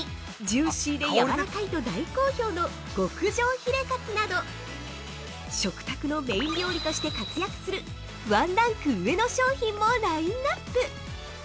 ジューシーでやわらかいと大好評の「極上ヒレカツ」など食卓のメイン料理として活躍するワンランク上の商品もラインナップ！